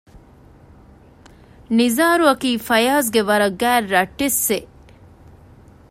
ނިޒާރު އަކީ ފަޔާޒްގެ ވަރަށް ގާތް ރަށްޓެއްސެއް